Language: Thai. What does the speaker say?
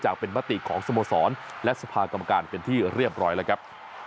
เป็นมติของสโมสรและสภากรรมการเป็นที่เรียบร้อยแล้วครับ